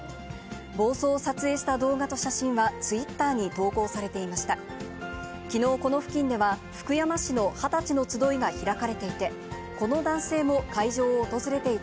暴走を撮影した動画と写真はツイッターに投稿されていました。